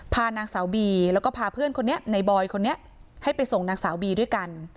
พานางสาวบีแล้วก็พาเพื่อนคนนี้ในบอยคนนี้ให้ไปส่งนางสาวบีด้วยกัน